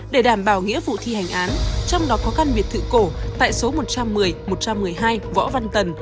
để đảm bảo nghĩa vụ thi hành án trong đó có căn biệt thự cổ tại số một trăm một mươi một trăm một mươi hai võ văn tần